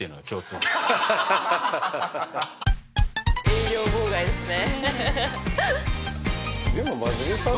営業妨害ですね。